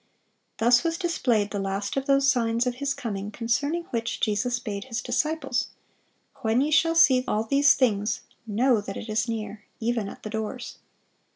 Thus was displayed the last of those signs of His coming, concerning which Jesus bade His disciples, "When ye shall see all these things, know that it is near, even at the doors."